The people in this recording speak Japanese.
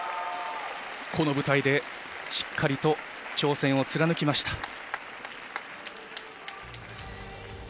この舞台でしっかりと挑戦を貫きました。